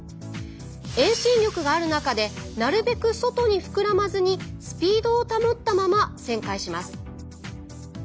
遠心力がある中でなるべく外に膨らまずにスピードを保ったまま旋回します。